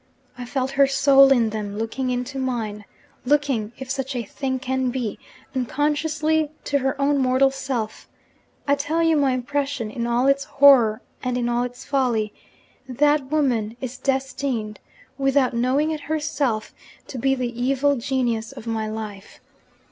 I felt her soul in them, looking into mine looking, if such a thing can be, unconsciously to her own mortal self. I tell you my impression, in all its horror and in all its folly! That woman is destined (without knowing it herself) to be the evil genius of my life.